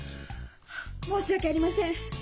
申し訳ありません！